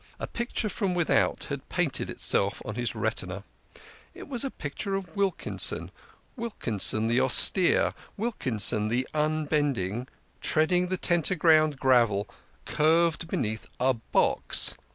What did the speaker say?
A picture from without had painted itself on his retina. It was a picture of Wilkinson Wilkinson the austere, Wilkinson the unbending treading the Tenterground gravel, curved beneath a box